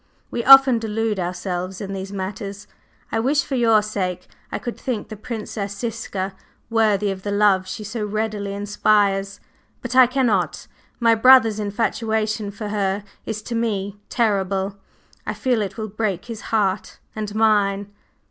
We often delude ourselves in these matters. I wish, for your sake, I could think the Princess Ziska worthy of the love she so readily inspires. But, I cannot! My brother's infatuation for her is to me terrible. I feel it will break his heart, and mine!"